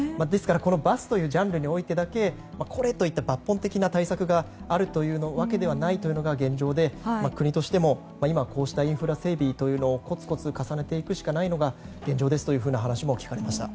バスというジャンルに置いてだけ抜本的な対策があるというわけではないというのが現状で国としても今は、こうしたインフラ整備をコツコツ重ねていくしかないのが現状ですという話も聞かれました。